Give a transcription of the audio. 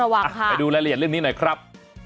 ไปดูรายละเอียดเรื่องนี้หน่อยครับ